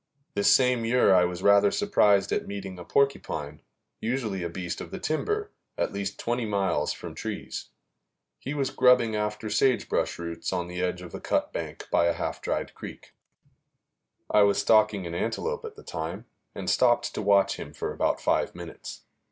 This same year I was rather surprised at meeting a porcupine, usually a beast of the timber, at least twenty miles from trees. He was grubbing after sagebrush roots on the edge of a cut bank by a half dried creek. I was stalking an antelope at the time, and stopped to watch him for about five minutes.